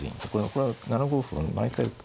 これは７五歩をね毎回。